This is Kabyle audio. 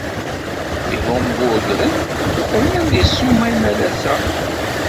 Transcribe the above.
Ihamburgren rnan deg ssuma imalas-a.